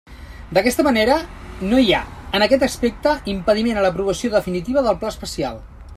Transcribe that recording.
D'aquesta manera, no hi ha, en aquest aspecte, impediment a l'aprovació definitiva del pla especial.